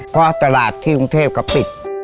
เพราะตลาดที่กรุงเทพก็ปิด